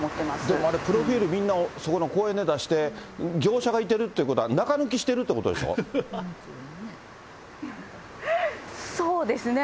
でもあれプロフィール、みんなそこの公園で出して、業者がいてるということは、中抜きしそうですね。